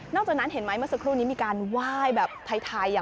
นอกจากนั้นเห็นไหมเมื่อสักครู่นี้มีการว่ายแบบไทยอย่างกว่า